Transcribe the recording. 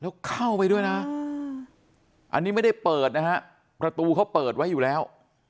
แล้วเข้าไปด้วยนะอันนี้ไม่ได้เปิดนะฮะประตูเขาเปิดไว้อยู่แล้ว